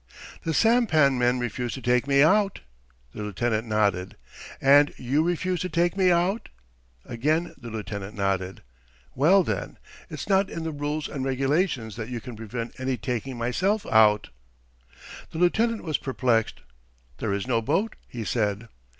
"The sampan men refuse to take me out?" The lieutenant nodded. "And you refuse to take me out?" Again the lieutenant nodded. "Well, then, it's not in the rules and regulations that you can prevent my taking myself out?" The lieutenant was perplexed. "There is no boat," he said.